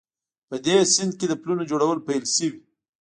په دې سیند کې د پلونو جوړول پیل شوي